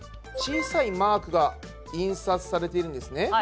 小さいマークが印刷されているんですね。